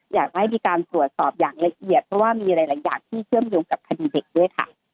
อยากให้มีการตรวจสอบอย่างละเอียดเพราะว่ามีหลายอย่างที่เชื่อมโยงกับคดีเด็กด้วยค่ะ